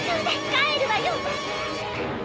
帰るわよ！